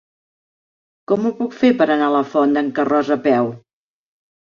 Com ho puc fer per anar a la Font d'en Carròs a peu?